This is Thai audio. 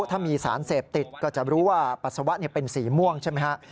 ถ้ามีสารเสพติดก็จะรู้ว่าปัสสาวะเป็นสีม่วงใช่ไหมฮะ